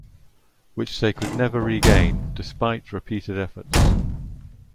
Which they could never regain despite repeated efforts.